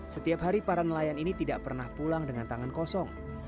setiap hari para nelayan ini tidak pernah pulang dengan tangan kosong